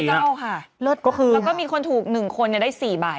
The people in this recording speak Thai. แล้วก็มีคนถูก๑โทรได้อยู่๔บ้าย